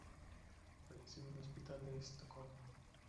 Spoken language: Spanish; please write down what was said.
Falleció en un hospital en Estocolmo.